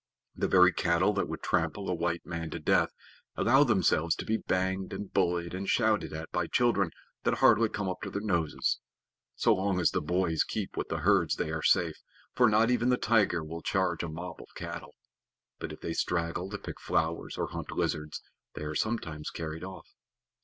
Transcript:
The very cattle that would trample a white man to death allow themselves to be banged and bullied and shouted at by children that hardly come up to their noses. So long as the boys keep with the herds they are safe, for not even the tiger will charge a mob of cattle. But if they straggle to pick flowers or hunt lizards, they are sometimes carried off.